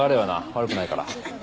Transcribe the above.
悪くないから。